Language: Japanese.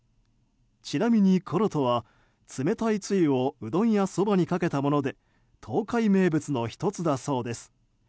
ちなみに、ころとは冷たいつゆをうどんやそばにかけたもので東海名物の１つだそうです。